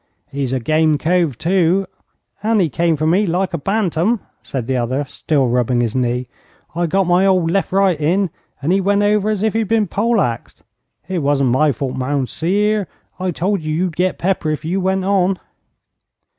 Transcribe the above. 'He's a game cove, too, and he came for me like a bantam,' said the other, still rubbing his knee. 'I got my old left right in, and he went over as if he had been pole axed. It wasn't my fault, mounseer. I told you you'd get pepper if you went on.'